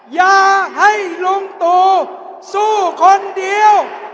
อย่าให้ลุงตู่สู้คนเดียว